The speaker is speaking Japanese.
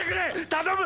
頼む！